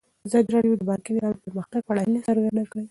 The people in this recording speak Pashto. ازادي راډیو د بانکي نظام د پرمختګ په اړه هیله څرګنده کړې.